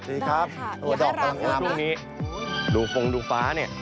ดีครับตัวดอกต่างนะครับตรงนี้ดูฟงดูฟ้า